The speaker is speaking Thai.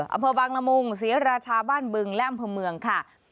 อำเภอบางละมุงศรีราชาบ้านบึงและอำเภอเมืองค่ะ